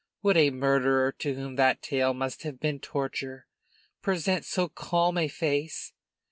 Would a murderer to whom that tale must have been torture, present so calm a face?